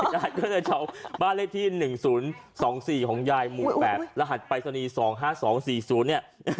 ยายก็เลยจะเอาบ้านเลขที่๑๐๒๔ของยายหมู่๘รหัสปรายศนีย์๒๕๒๔๐เนี่ย